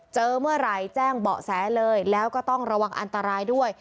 เจอเมื่อไหร่แจ้งเบาะแสเลยแล้วก็ต้องระวังอันตรายด้วย